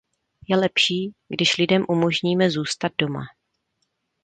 Je lepší, když lidem umožníme zůstat doma.